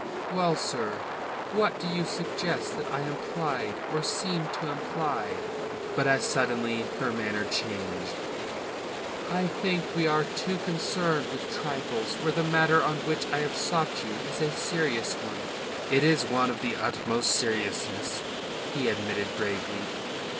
"Well, sir? What do you suggest that I implied or seemed to imply?" But as suddenly her manner changed. "I think we are too concerned with trifles where the matter on which I have sought you is a serious one." "It is of the utmost seriousness," he admitted gravely.